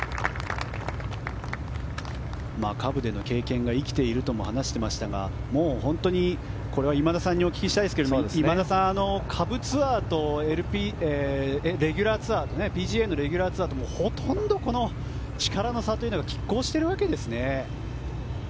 下部での経験が生きているとも話していましたが本当に、これは今田さんにお聞きしたいですが下部ツアーとＰＧＡのレギュラーツアーとほとんど、この力の差というのが拮抗しているわけですね。